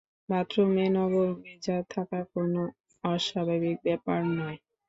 বাথরুমের নব ভেজা থাকা কোনো অস্বাভাবিক ব্যাপার নয়।